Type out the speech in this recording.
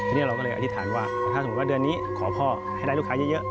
ทีนี้เราก็เลยอธิษฐานว่าถ้าสมมุติว่าเดือนนี้ขอพ่อให้ได้ลูกค้าเยอะ